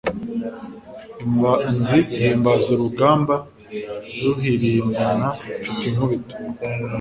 Imanzi ihimbaza urugamba ruhirimbana mfite inkubito